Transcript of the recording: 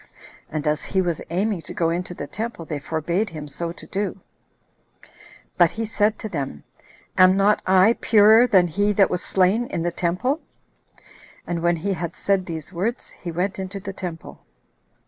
And as he was aiming to go into the temple, they forbade him so to do; but he said to them, "Am not I purer than he that was slain in the temple?" And when he had said these words, he went into the temple.